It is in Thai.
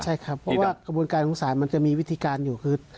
ใช่ครับหรือความว่ากระบวนการศุนย์สารมันจะมีวิธีการอยู่